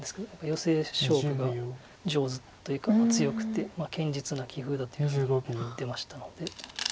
ヨセ勝負が上手というか強くて堅実な棋風だというふうに言ってましたので。